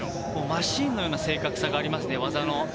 マシンのような正確さがあります、技の。